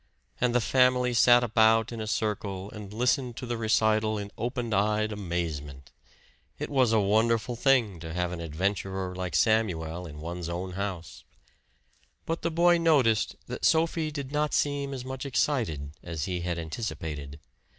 And the family sat about in a circle and listened to the recital in open eyed amazement. It was a wonderful thing to have an adventurer like Samuel in one's house! But the boy noticed that Sophie did not seem as much excited as he had anticipated.